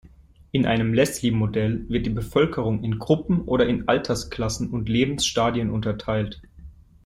In einem Leslie-Modell wird die Bevölkerung in Gruppen oder in Altersklassen und Lebensstadien unterteilt.